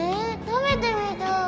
食べてみたい。